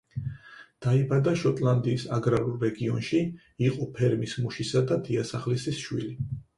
დაიბადა შოტლანდიის აგრარულ რეგიონში, იყო ფერმის მუშისა და დიასახლისის შვილი.